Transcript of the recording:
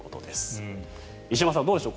石山さんどうでしょう。